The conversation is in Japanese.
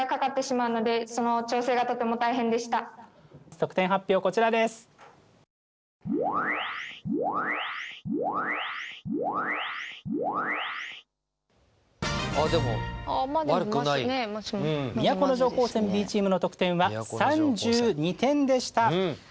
都城高専Ｂチームの得点は３２点でした！